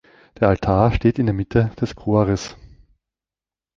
Der Altar steht in der Mitte des Chores.